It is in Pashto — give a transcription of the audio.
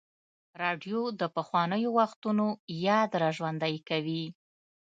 راډیو د پخوانیو وختونو یاد راژوندی کوي.